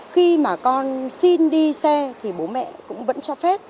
khi mà con xin đi xe thì bố mẹ cũng vẫn cho phép